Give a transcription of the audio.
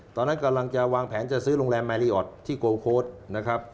ตอนนั้นกำลังจะวางแผนซื้อโรงแรมมายลีออทที่โกลโคทนะครับ